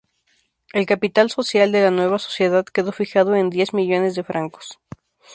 El capital social de la nueva sociedad quedó fijado en diez millones de francos.